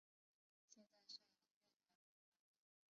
现在设有月台幕门。